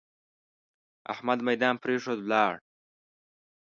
احمد ميدان پرېښود؛ ولاړ.